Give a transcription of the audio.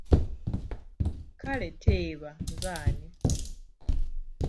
Kale teeba nze ani?